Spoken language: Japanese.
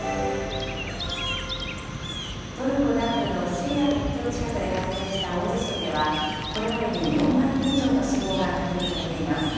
トルコ南部のシリア国境近くで発生した大地震では、これまでに４万人以上の死亡が確認されています。